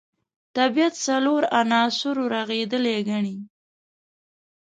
طبیعت څلورو عناصرو رغېدلی ګڼي.